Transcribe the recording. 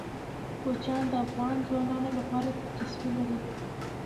کوچیان د افغان ځوانانو لپاره دلچسپي لري.